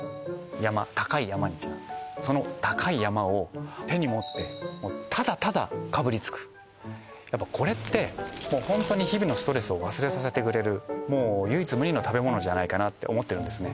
山高い山にちなんでその高い山を手に持ってただただかぶりつくやっぱこれってホントに日々のストレスを忘れさせてくれる唯一無二の食べ物じゃないかなって思ってるんですね